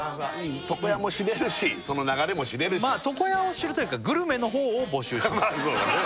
床屋も知れるしその流れも知れるしまあ床屋を知るというかグルメの方を募集します